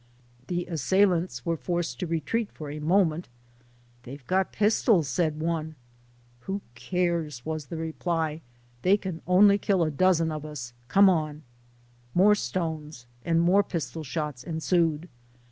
The assailants were forced to retreat for a moment. " They 've got pistols," said one. " Who cares ?" was the reply ;" they can only kill a dozen of us come on." More stones and more pistol shots ensued.